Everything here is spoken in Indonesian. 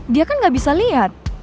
dia kan gak bisa lihat